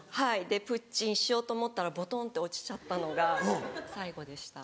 でプッチンしようと思ったらボトンって落ちちゃったのが最後でした。